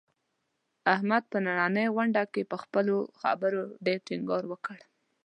احمد په نننۍ غونډه کې، په خپلو خبرو ډېر ټینګار وکړ.